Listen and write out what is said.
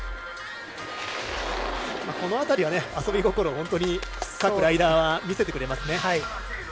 この辺りは遊び心各ライダーが見せてくれますね。